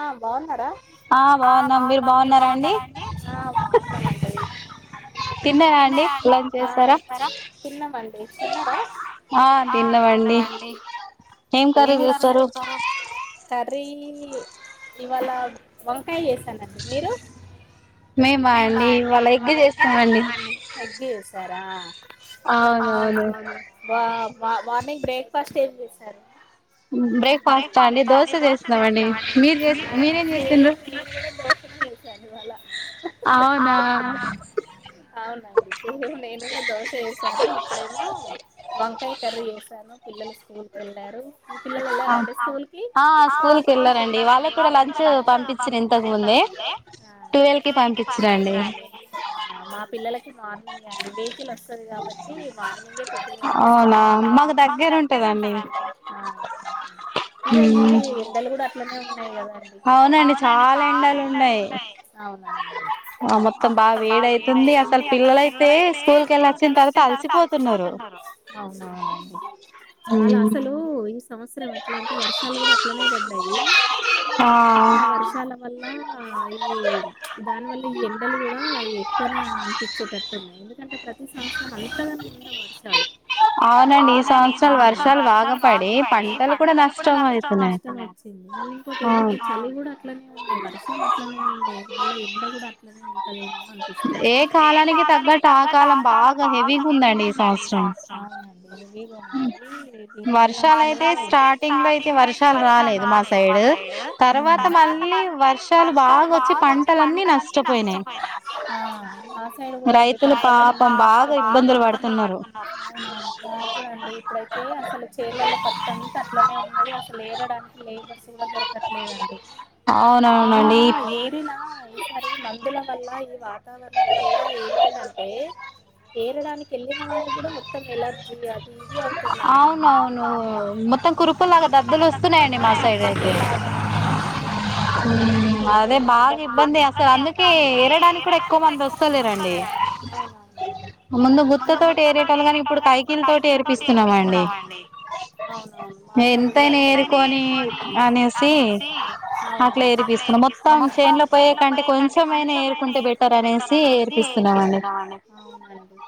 ఆ బాగున్నారా ఆ బాగున్నాం మీరు బాగున్నారా అండి తిన్నారా అండి ఆ తిన్నామండి తిన్నారా ఆ తిన్నావండి ఏం కర్రీ చేస్తరు కర్రీ ఇవాళ వంకాయ చేసానండి మీరు మేమా అండి ఇవాళ ఎగ్ చేసమండి అవున అవును మార్నింగ్ బ్రేక్ఫాస్ట్ ఏమి చేసరు బ్రేక్ఫాస్ట్ అండి దోస [inaudible] అవునా [inaudible] అవునండి శేమ్ నేను కూడా దోశ యేసాను ఇక్కడేమో వంకాయ కర్రీ యేసాను పిల్లలు స్కూల్కి వెళ్ళారు పిల్లలు వెళ్ళారాండి స్కూల్ ఆ స్కూల్ కెళ్ళారండి వాళ్ళకి కూడా లంచ్ పంపించిన ఇంతకు ముందే ట్వెల్ పంపించండి మా పిల్లలకి మార్నింగ్ అండి అవునా మాకు దగ్గరంటదండి ఇక ఈ ఎండలు కూడా అట్లనే ఉన్నా కదండి అవునండి చాలా ఎండలు ఉంటాయి అవునవు ఆ మొత్తం బాగా వేడి అయితుంది అసలు పిల్లలయితే స్కూల్ కెళ్ళి వచ్చిన తర్వాత అలసిపోతున్నారు అవునవునండి చాలా అసలు ఈ సంవత్స అట్లా అంటే వర్షాలు కూడా అట్లనే పడ్డాయి వర్షాల వల్ల ఈ దాని వల్ల ఈ ఎండలు కూడా ఎక్కువనే అనిపిచ్చేట్టున్నాయి ఎందుకంటే ప్రతి సంవత్సరం అంతధనం కూడా వర్షాలు అవునండి ఈ సంవత్సరం వర్షాలు బాగపడి పంటలు కూడ నష్టం అయితుండే ఏ కాలానికి తగ్గట్టు ఆ కాలం బాగా హెవీగా ఉండండి ఈ సంవత్సరం వర్షాలైతే స్టార్టింగ్ లో అయితే వర్షాలు రాలేదు మా సైడ్ తర్వాత మళ్ళీ వర్షాలు బాగా వచ్చి పంటలన్ని నష్టపోనాయి రైతులు పాపం బా అవునవును మాకు కూడా అండి ఇప్పుడైతే అసలు చేన్లలో పంటంత అట్లనే అది అసలు ఏరడానికి లేబర్స్ కూడా దొరకట్లేదండి [unintelligible] వాతావరణం వల్ల ఏమైందంటే ఏరడానికి వెళ్ళిన వాళ్ళు కూడా మొత్తం ఎలర్జీ అది ఇది అవుతుంది ఆడ [unintelligible] అదే బాగా ఇబ్బంది అసలు అందుకే ఏరడానికి కూడా ఎక్కువ మంది వస్తలే రండి డి ముందు గుత్త తోటి ఏరేటలు గాని ఇప్పుడు కైకిల్ తోటి ఏర్పిస్తున్నామ అండి ఎంతైనా ఏరుకొని అనేసి అట్ల ఎరిపిస్ మొత్తం చేన్ లో పోయ కంటే కొంచెంమైనా ఎరుకుంటే బెటర్ అనేసి ఏర్పిస్తున్నామండి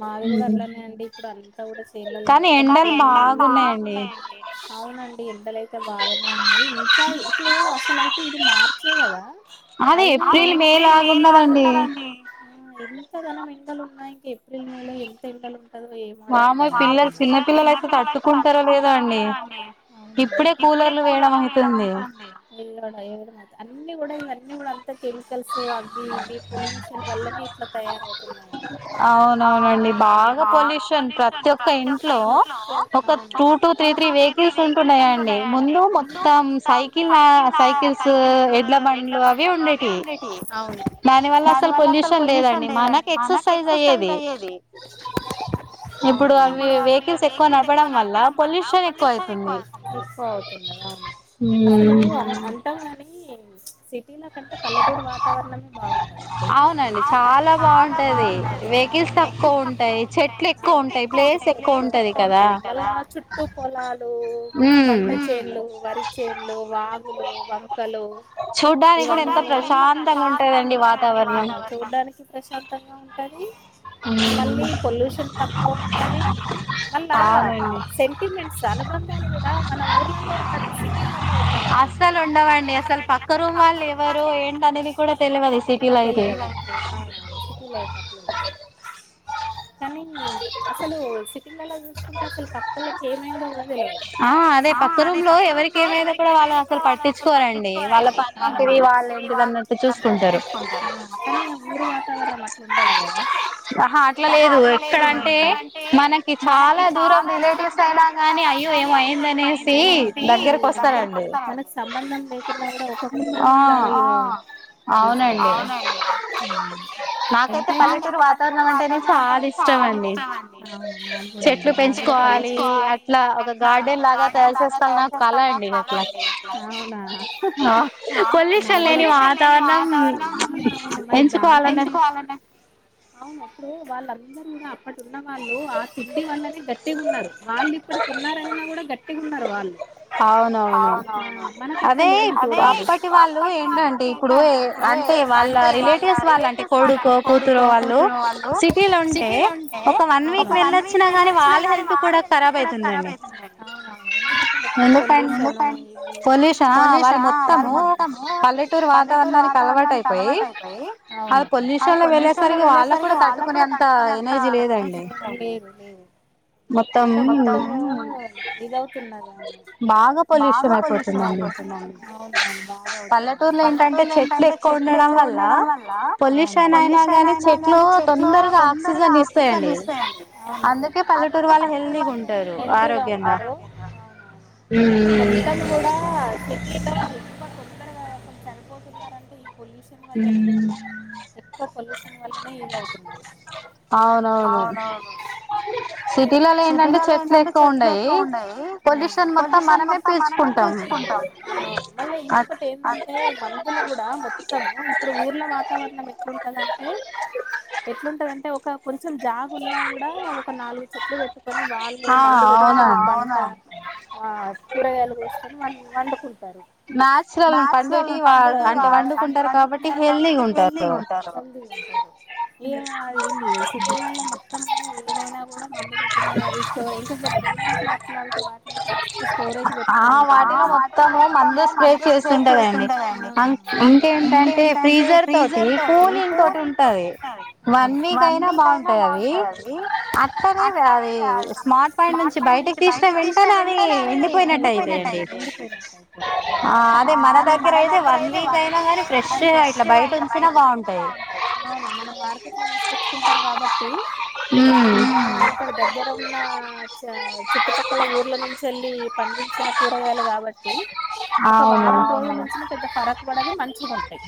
మావి కూడా అట్లానే అండి ఇప్పుడు అంతా కూడా చేనలలో మొత్తం అవునండి ఎండలైతే బాగానే ఉన్నాయి ఇంకా ఇప్పు అసలైతే ఇది మార్ [unintelligible] ఆ ఎంత ధనం ఎండలు ఉన్నాయి ఇంక ఏప్రిల్ నెలలో ఎంత ఎండలు పాపం పిల్లలు చిన్నపిల్లలైతే తట్టు లేదా అండి ఇప్పుడే కూలర్లు వేడం అవుతుంది అన్ని కూడా ఇవన్నీ కూడా అంతా కెమికల్స్ సో అవి ఇవి పొల్యూషన్ వల్లనే ఇట్లా తయారవుతున్నాయండి అవునవునండి బాగా పొల్యూషన్ ప్రతి ఒక్క ఇంట్లో ఒక two two three three vehicles ఉంటున్నాయండి ముందు మొత్తం సైకిల్ సైకిల్స్ ఎడ్ల బండ్లు అవి ఉండేటివి దానివల్ల అసలు పొల్యూషన్ లేదండి మన ఎక్సర్సైజ్ అయ్యేది ఇప్పుడు అవి వెహికల్స్ ఎక్కువ నడపడం వల్ల వల్ల పొల్యూషన్ ఎక్కువ అవుతుంది ఎక్కువ అవుతుంది అసలు అంటాం గాని కానీ సిటీలో కంటే పల్లెటూరు వాతావరణమే బాగుంది అవునండి చాలా బాగుంటది వెహికల్స్ తక్కువ ఉంటాయి చెట్లు ఎక్కువ ఉంటాయి ప్లేస్ ఎక్కువ ఉంటది కదా మల్ల చుట్టూ ట్టు పొలాలు పంట చైన్లు, వరి చైన్లు, వాగులు, వంకలు చూడ్డానికి కూడా ప్రశాంతంగా ఉంటాదండి వాతావరణం చూడ్డానికి ప్రశాంత తంగా ఉంటది మళ్ళీ పొల్యూషన్ తక్కువ ఉంటంది మళ్ళా అనుబంధాలు కూడా మన ఊర్లలో ఉన్నట్టు సిటీలలో ఉండవాడి అస్సలు ఉండవ పక్క రూమ్ వాళ్ళు ఎవరు ఏంటి అనేది కూడా తెలవది సిటీలో అయితే సిటీ లైఫ్ అట్ల ఉంట కానీ అసలు సిటీలల్లా చూసుకుంటే అసలు ప ఏమైందో కూడా అదే పక్క రూమ్ ఎవరికి ఏమైనా కూడా వాళ్ళు అసలు పట్టించుకోవాలంట వాళ్ళ ఉంటారు కానీ ఊరు వాతావరణం అట్లా ఉండదు కదా ఆహా అట్లా లేదు ఎక్కడంటే మనకి చాలా దూరం రిలేటివ్స్ అయినా గాని అయ కాని అయ్యో ఏమో అయ్యిందనేసి దగ్గరకొస్తా మనకు సంబంధం లేకున్నా కూడా ఒక కుటుంబం ఆ అవునండి మాకైతే పల్లెటూరు వాతావరణం అంటే చాలా ఇష్టం అండి చే డి అట్లా ఇట్లా ఒక గార్డెన్ లాగా తయారు చేస్త నాకు కళ అండి పొల్యూషన్ లేని వాతావరణం ఎంచుకోవాలన్నా అవున అప్పుడు వాళ్ళందరు కూడా అప్పుటూఉన్నవాళ్ళు ఆ తిండి వల్లనే గట్టి గట్టిగా ఉన్నారు వాళ్ళు ఇప్పుడు ఉన్నారన్న కూడా గట్టిగా ఉన్నారు వాళ్ళు అవునవును మన కట్ల లేదు అదే అప్పటి వాళ్ళు ఏంటండి అంటే వాళ్ళ రిలేటివ్స్ వాళ్ళ అంటే కొడుకో కూతురు వాళ్ళు సిటీలో ఉంటే ఒక వన్ వీక్ వెళ్ళొచ్చినా కాని వాళ్ళ హెల్త్ కూడా కరాబ్ అవుతుంది పొల్యూషన్ ఆ వాళ్ళు మొత్తము పల్లెటూరు వాతావరణ దానికి అలవాటు అయిపోయి అవును అది పొల్యూషన్ లో వెళ్ళేసరికి వాళ్ళ కూడా కట్టుకునే అంత లేదు లేదు అంత మొత్తము ఇది అవుతున్నారండి బాగా పొల్యూషన్ అయిపోతుందండి అవునవును బాగా అవుతుంది పల్లెటూరులో ఏంటంటే చె ఎక్కువ ఉండడం వల్ల పొల్యూషన్ అయినా గాని చెట్లు తొందరగా ఆక్సిజన్ ఇస్ అవునా అందుకే పల్లెటూరు వాళ్ళు హెల్తీగా ఉంటారు ఆరోగ్యంగా ఇప్పుడు మొత్తం కూడా సిటీలో పొల్యూషన్ వల్లనే ఎక్కువ పొల్యూషన్ వల్లనే ఇది అవుతున్నారు అవునవును సిటీలలో ఏంటంటే చెట్లు ఎక్కువ ఉండయ్యి పొల్యూషన్ మొత్తం మనమే పీల్చు ఉంటాం మళ్ళ ఇంకొకటి ఏంటంటే మనుషులు కూడా మొత్తము ఇప్పుడు ఊర్ల వాతావరణ ఎట్లుంటది అంటే ఎట్లుంటది అంటే ఓ కొంచెం జాగ ఉన్నా కూడా ఒక నాలుగు చెట్లు పెట్టు వాళ్ళు మందు కొట్టకుండ కొంచం ఆ కూరగాయలు కోసుకొని వండుకుంటా నాచురల్ పండేటివి వండుకుంటారు కాబట్టి హెల్దీగ ఉంటారు ఇగా అదేంటి సిటీలల్లా మొత్తం గూడా ఏదైనా గూడా మందు కొట్టినయ్ అదీ సో డిమాట్లా అట్లాంటి వాటిల మస్త్ స్టోరేజ్ పెట్టుకొని ఉంటరండి ఆ వాటిని మొత్తమూ మందు స్ప్రే చేస్తుంటాదండి అండి ఆ ఇంకేంటంటే ఫ్రీజర్ తోటి కూలింగ్ తోటి ఉంటది వన్ వీక్ అయినా ఏ అట్టనే అదీ స్మార్ట్ పాయింట్ నుంచి బయటికి తీసిన వెంటనే అదీ ఎండి పోయినట్టు అయితయండీ. ఆ అదే మన దగ్గర అయితే వన్ వీక్ అయినా గానీ ఫ్రెష్ ఫ్రెష్ గ ఇక బయటొచ్చిన బాగుంటాయి. మనం మార్కెట్ లో తీసుకచ్చుకుంటం కాబట్టీ ఊ ఇక్కడ దగ్గర ఉన్నా చ చుట్టుపక్కల ఊర్ల నుంచెల్లీ పండించిన కూరగాయలు కాబట్టీ ఒక వారం రోజులుంచిన పెద్ద ఫరక్ పడదు. మంచిగా ఉంటయి.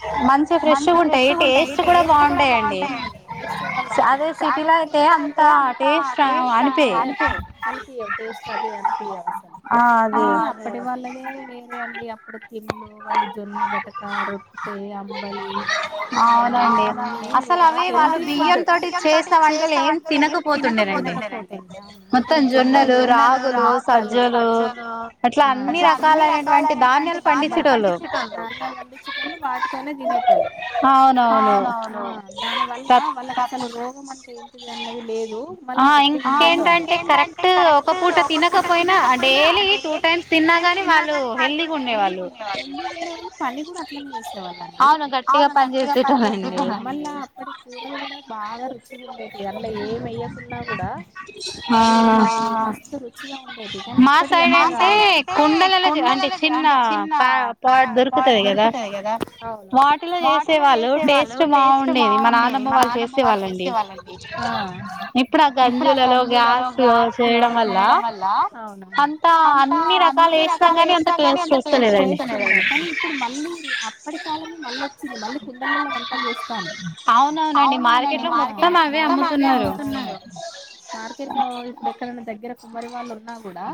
మంచిగా ఫ్రెష్గా ఉంటయ్ టె టేస్ట్ కూడా బాగుంటాయండీ టేస్ట్ కూడా బాగుంటయి అదే సిటీల టె అంతా టేస్ట్ అనిప అనిపియవు టేస్ట్ అది అనిపియవు అసలు ఆ అప్పటి వాళ్ళదే వేరే అండి అప్పుడు తిండ్లు వాళ్ళు జొన్న, గటక, రొట్టే, అంబలీ ఆ అవన్నీ గూడా హెల్దీ ఫుడ్ వాళ్ళు బియ్యం తోటి చేస్తామన్ ఏం తినకపోతుంటెనండీ మొత్తం జొన్నలూ, రాగులూ, సజ్జలూ ఆ అట్లా అన్ని రకాలైనటువంటి దాని పండించెటోళ్లు వాటినే పండించెంటోళ్ళు వాటినే తినెటోళ్ళు ఆ అవునవును దాని వల్ల వాళ్ళకి అసలు రోగం అంటే ఏ అనేది లేదూ మళ్ళ రెట్టింపు తినెటోళ్లు. ఇంకేంటంటే కరెక్ట్ ఒక పూట తినకపోయినా డైలీ టూ టైమ్స్ తిన్నా గానీ వాళ్ళూ హెల్దీగా ఉండేవాళ్ళు. హెల్దీగా ఉండేవాళ్ళు పని గూడా అట్లనే చేసేవాళ్ళు. అవును గట్టిగా పనిచేసిళ్ళు అప్పటి కూరలు గూడా బాగా రుచిగ ఉండే అండ్ల ఏమెయ్యకున్నా గూడా అదీ ఆ మస్తు రుచిగా ఉండేది కానీ ఇప్పటి మాసైడ్ అంటే కుండలలో అంటే చిన్న పా పాట్ దొరుకుతయి గదా అవును వాటిలో చేసేవాళ్ళు టేస్ట్ బాగుండేవి. మా నానమ్మ వాళ్ళు చేసేవాళ్ళండీ. ఆ ఇప్పుడు అ గంజులలో గ్యాస్ లో చేయడం వల్లా అవును అంతా అన్నీ రకాలు వేస్తం గనీ అంత టేస్ట్ కానీ ఇప్పుడు మళ్ళీ అప్పటికాలం మళ్ళీ వచ్చి మళ్ళీ కుండలలో వంట చేస్తాను అవునవునండి మార్కె మొత్తం అవే అమ్ముతున్నారు అ మార్కెట్ లో ఇప్పుడు ఎక్కడన్న దగ్గర కుమ్మరి వాళ్ళు ఉన్నా కూడా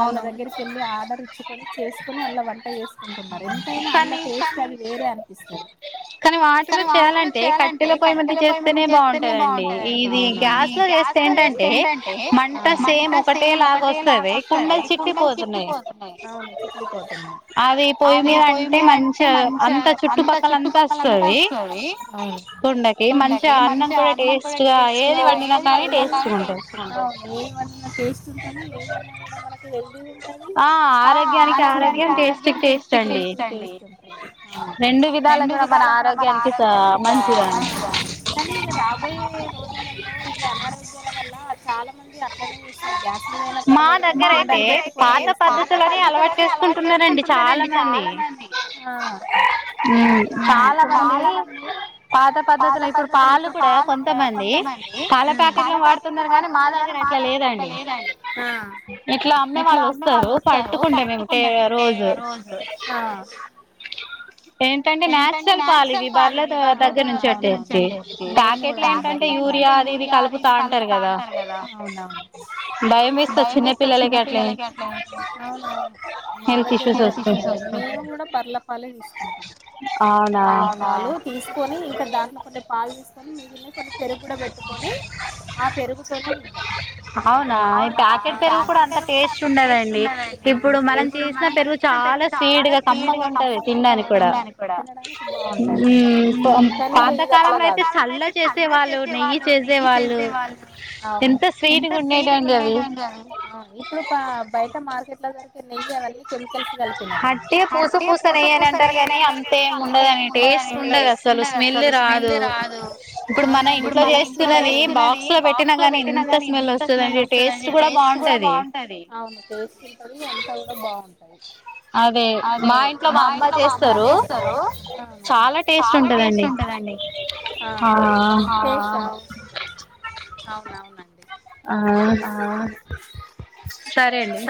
వాళ్ళ దగ్గరికి వెళ్ళి ఆర్డర్ ఇచ్చుకొని చేసుకొని అండ్ల వంట చేసుకుంటున్నారు. ఎంతైనా అండ్ల టేస్ట్ వేరే అనిపిస్తది. కనీ వాటిలో చేయాలంటే కట్టెలో పోయి మీద చేస్తేనే బాగుంటదండీ. ఇదీ గ్యాస్ లో చేస్తే ఏంటంటే టే మంట సేమ్ ఒకటేలాగా వస్తది. కుండలు చిట్లిపోతున్నాయి అవును చిట్లిపో అదీ పొయ్యి మీద అంటే మంచా అంత చుట్టుపక్కల అంతా ఇస్తుంది అవును కుండకి మంచిగ అన్నం కూడా టేస్ట్ గా ఏది వండిన కానీ టేస్ట్ అవును ఏది మంచిగ టేస్ట్ ఉంటది. ఏదైనా గూడా మనకు హెల్దీగ ఉంటది. ఆ అనక్ ఆరోగ్యానికి ఆరోగ్యం టేస్టుకి టేస్ట్ అండీ. రెండు విధాలు కూడా మన ఆరోగ్ ఆ మంచిదండ్ కానీ ఇగ రాబోయే రోజులల్లో ఈ అనారోగ్యాల వల్లా చాలా అట్లనే చేస్తరు గ్యాస్ మీద ఐనా పర్లేదు. గనీ పాత పద్ధతులనీ అలవాటు చేస్ పెట్టుకుంటున్నరండీ చాలా మందీ ఆ ఊ చాలా మందీ పాత పద్ అసలు ఇప్పుడు పాలు కూడ కొంతమందీ పాల ప్యాకిట్లు వాడుతున్నారు గానీ అది అట్ల లేదండీ ఆ ఇట్ల అమ్మే వాళ్ళు వస్తరు కట్టుకుంటే మేము టే రోజు ఆ ఏంటండి న్యాచురల్ పాల్ ఇవి బర్లే దగ్గర నుంచి అండి మేంకూడా అంటే యూరియా అదిఇది కలుపుతా అంటరు కదా అవున భయం వేస్తది చిన్న పిల్లలకి అట్లా అవును మా దగ్గర మీరు మేము కూడా బర్లపాలే తీసుకుంటాం అవునా తీసుకొని ఇంకా దాంట్లో కొన్ని పాలు తీసుకొని నే కొన్ని పెరుగు కూడా పెట్టుకొని ఆ పెరుగుతోనే తింటాం. అవునా ప్యాకెట్ పెరుగు కూడా అంత టేస్ట్ ఉండదండి ఇప్పుడు మనం చేసినప్ పెరుగు చాలా స్వీట్ గా కమ్మగ ఉంటాది తినడానికి కూడా తినడానికి బాగుంటది కానీ ఇది అట్లా కాదు చేసేవాళ్ళు నెయ్యి చేసేవాళ్ళు ఎంత స్వీట్ గా ఉండేటివండి అవి ఇప్పుడు ప బయట మార్కెట్ లో దొరి కే నెయ్యి అవన్నీ కెమికల్స్ కలిపినవి చేస్తారు కాని అంతే ఏం ఉండదు కాని టేస్ట్ ఉండదు. అస్సలు స్మెల్ల్ రాదు ఇప్పుడు మన ఇం ఇంట్లో చేసుకునే నెయ్యి బాక్స్ లో పెట్టినా గాని ఇంత స్మెల్ వస్తదండి టేస్ట్ కూడా బాగుంటది. అంత టేస్ట్ ఉంటది అంత కూడా బాగుంటది అదే మా ఇంట్లో మా అమ్మ చేస్ చాలా టేస్ట్ ఉంటందండి ఆ ఆ ఆ అవునవున్ ఆ సరే అండి